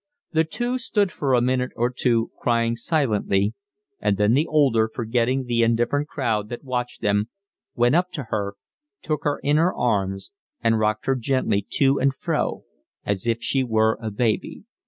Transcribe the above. The two stood for a minute or two, crying silently, and then the older, forgetting the indifferent crowd that watched them, went up to her, took her in her arms, and rocked her gently to and fro as if she were a baby.